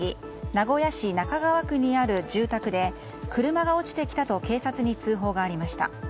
名古屋市中川区にある住宅で車が落ちてきたと警察に通報がありました。